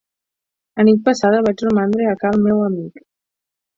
Anit passada vaig romandre a ca el meu amic.